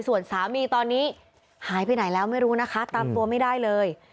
ส่วนสามีตอนนี้หายไปไหนแล้วไม่รู้นะคะตามตัวไม่ได้เลย